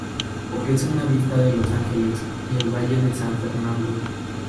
Ofrece una vista de Los Ángeles y el Valle de San Fernando.